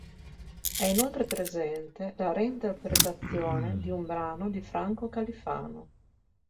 È inoltre presente la reinterpretazione di un brano di Franco Califano.